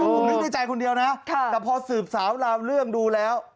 ผมนึกในใจคนเดียวนะแต่พอสืบสาวราวเรื่องดูแล้ว